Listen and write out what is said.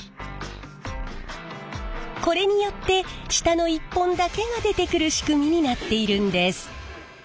これによって下の１本だけが出てくる仕組みになっているんです。